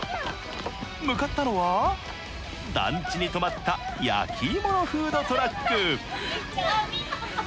向かったのは、団地に止まった焼き芋のフードトラック。